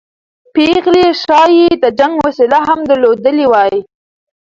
پېغلې ښایي د جنګ وسله هم درلودلې وای.